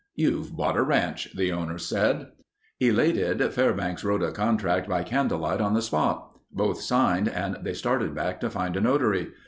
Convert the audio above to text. "You've bought a ranch," the owner said. Elated, Fairbanks wrote a contract by candlelight on the spot. Both signed and they started back to find a notary.